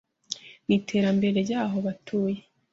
n’iterambere ry’aho batuye;